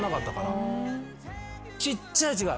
ちっちゃい違い。